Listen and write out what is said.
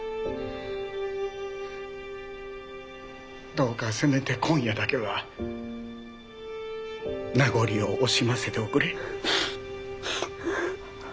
どうかせめて今夜だけは名残を惜しませておくれ。